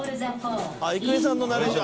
「あっ郁恵さんのナレーション？」